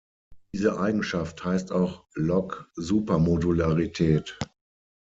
Diese Eigenschaft heißt auch "Log-Supermodularität".